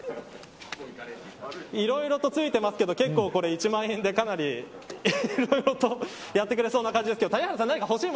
いろいろと付いてますけど１万円でかなりいろいろとやってくれそうな感じですけど谷原さん